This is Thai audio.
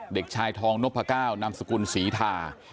เด็กชายทองนพก้าวนามสกุลศรีทา